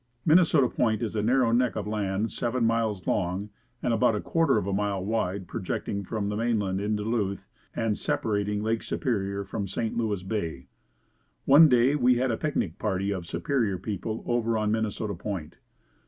Minnesota Point is a narrow neck of land seven miles long and about a quarter of a mile wide projecting from the mainland in Duluth and separating Lake Superior from St. Louis Bay. One day we had a picnic party of Superior people over on Minnesota Point.